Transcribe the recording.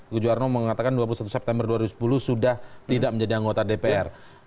gu juwarno mengatakan dua puluh satu september dua ribu sepuluh sudah tidak menjadi anggota dpr